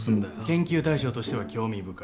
研究対象としては興味深い。